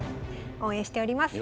応援しております。